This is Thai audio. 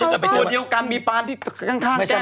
ตัวเดียวกันมีปานที่ข้างแก้ม